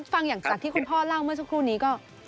ฟังอย่างจากที่คุณพ่อเล่าเมื่อสักครู่นี้ก็